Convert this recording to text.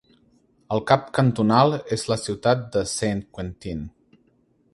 El cap cantonal és la ciutat de Saint-Quentin.